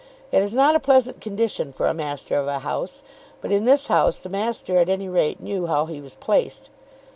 It is not a pleasant condition for a master of a house; but in this house the master at any rate knew how he was placed.